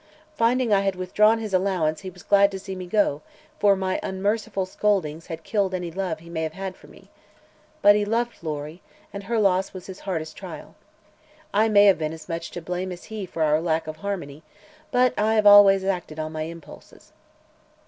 Finding I had withdrawn his allowance he was glad to see me go, for my unmerciful scoldings had killed any love he may have had for me. But he loved Lory, and her loss was his hardest trial. I may have been as much to blame as he for our lack of harmony, but I have always acted on my impulses.